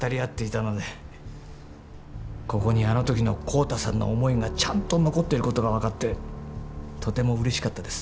ここにあの時の浩太さんの思いがちゃんと残っていることが分かってとてもうれしかったです。